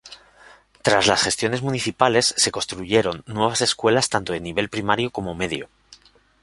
Tras las gestiones municipales, se construyeron nuevas escuelas tanto de nivel primario como medio.